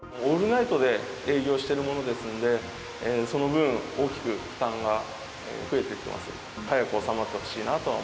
オールナイトで営業しているものですんで、その分、大きく負担が増えてきます。